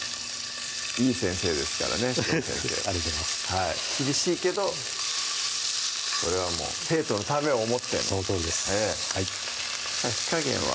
いい先生ですからね紫藤先生ありがとうございます厳しいけどそれはもう生徒のためを思ってのそのとおりですはい火加減は？